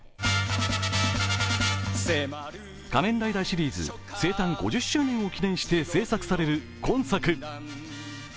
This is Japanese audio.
「仮面ライダー」シリーズ生誕５０周年を記念して制作される今作。